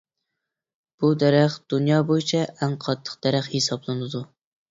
بۇ دەرەخ دۇنيا بويىچە ئەڭ قاتتىق دەرەخ ھېسابلىنىدۇ.